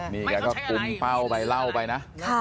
นี่ก็กุ้งเป้าไปเล่าไปนะ